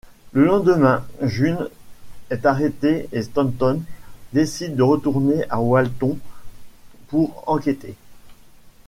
Le lendemain June est arrêtée et Stanton décide de retourner à Walton, pour enquêter.